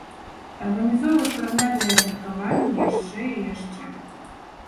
Арганізоўваць прагляды і абмеркаванні яшчэ і яшчэ.